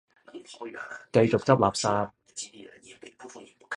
繼續執垃圾